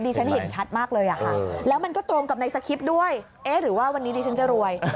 ฉันเห็นชัดมากเลยอะค่ะแล้วมันก็ตรงกับในสคริปต์ด้วยเอ๊ะหรือว่าวันนี้ดิฉันจะรวย